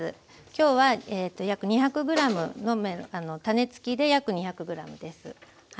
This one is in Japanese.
今日は約２００ｇのメロン種つきで約２００ｇです。